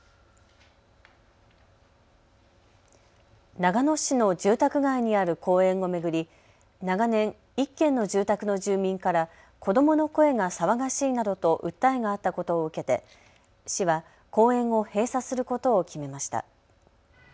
長野市の住宅街にある公園を巡り長年、１軒の住宅の住民から子どもの声が騒がしいなどと訴えがあったことを受けて市は公園を閉鎖することを決めました。